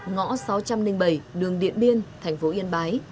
ngõ sáu trăm linh bảy đường điện biên thành phố yên bái